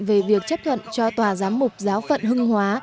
về việc chấp thuận cho tòa giám mục giáo phận hưng hóa